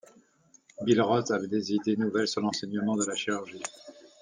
Billroth avait des idées nouvelles sur l'enseignement de la chirurgie.